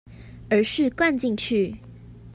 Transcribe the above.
而是灌進去